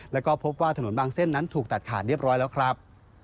แล้วก็พบว่าถนนบางเส้นนั้นถูกตัดขาดเรียบร้อยแล้วครับ